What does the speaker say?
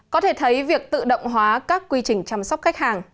có thể thấy việc tự động hóa các quy trình chăm sóc khách hàng